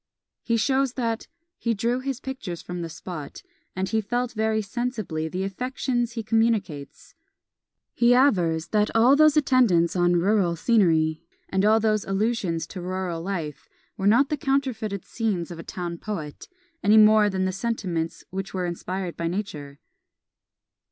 He shows that "He drew his pictures from the spot, and, he felt very sensibly the affections he communicates." He avers that all those attendants on rural scenery, and all those allusions to rural life, were not the counterfeited scenes of a town poet, any more than the sentiments, which were inspired by Nature.